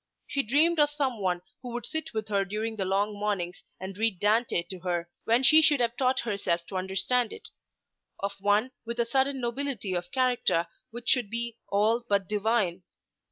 She dreamed of some one who should sit with her during the long mornings and read Dante to her, when she should have taught herself to understand it; of some one with a hidden nobility of character which should be all but divine.